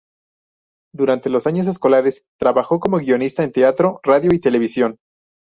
Durante los años escolares, trabajó como guionista en teatro, radio y televisión.